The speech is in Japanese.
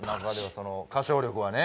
その歌唱力はね。